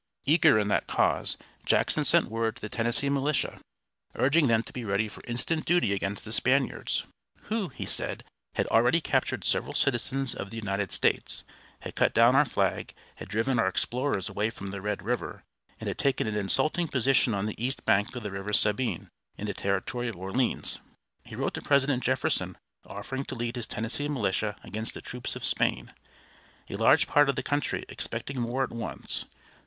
Eager in that cause, Jackson sent word to the Tennessee militia, urging them to be ready for instant duty against the Spaniards, who, he said, had already captured several citizens of the United States, had cut down our flag, had driven our explorers away from the Red River, and had taken an insulting position on the east bank of the River Sabine, in the territory of Orleans. He wrote to President Jefferson offering to lead his Tennessee militia against the troops of Spain. A large part of the country expected war at once.